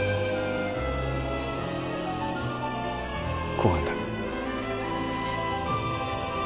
公安だ